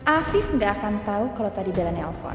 afif gak akan tau kalau tadi bella nyelepon